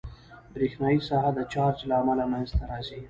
برېښنایي ساحه د چارج له امله منځته راځي.